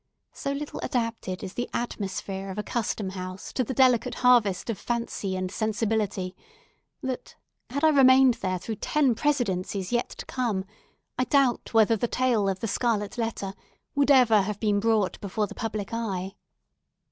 So little adapted is the atmosphere of a Custom house to the delicate harvest of fancy and sensibility, that, had I remained there through ten Presidencies yet to come, I doubt whether the tale of "The Scarlet Letter" would ever have been brought before the public eye.